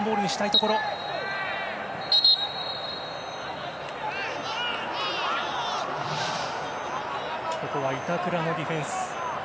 ここは板倉のディフェンス。